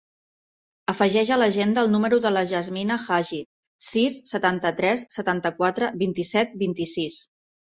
Afegeix a l'agenda el número de la Yasmina Hajji: sis, setanta-tres, setanta-quatre, vint-i-set, vint-i-sis.